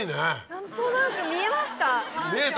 何となく見えました。